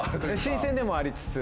新鮮でもありつつ。